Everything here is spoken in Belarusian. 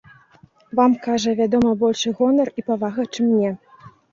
Вам, кажа, вядома, большы гонар і павага, чым мне.